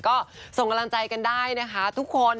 ก็ส่งกำลังใจกันได้นะคะทุกคน